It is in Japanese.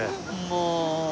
もう。